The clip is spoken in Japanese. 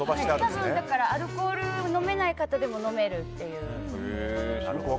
だからアルコール飲めない方でも飲めるっていう。